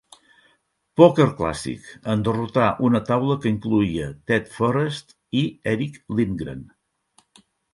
Poker Classic, en derrotar una taula que incloïa Ted Forrest i Erick Lindgren.